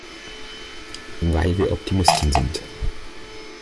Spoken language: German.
Weil wir Optimisten sind.